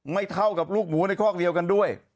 เท่ากับลูกหมูในคอกเดียวกันด้วย